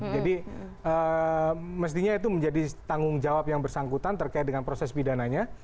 jadi mestinya itu menjadi tanggung jawab yang bersangkutan terkait dengan proses pidananya